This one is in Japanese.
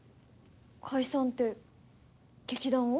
解散って劇団を？